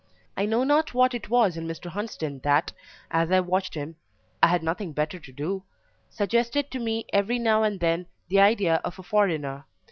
I know not what it was in Mr. Hunsden that, as I watched him (I had nothing better to do), suggested to me, every now and then, the idea of a foreigner.